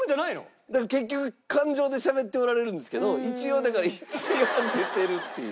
だから結局感情でしゃべっておられるんですけど一応だから一応出てるっていう。